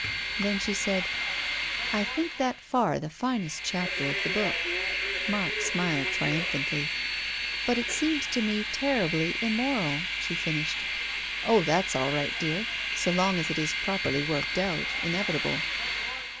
Then she said, '• I think that far the finest chapter of your book " Mark smiled triumphantly. " But it seems to me terribly immoral," she finished. " Oh, that's all right, dear. So long as it is properly worked out, inevitable."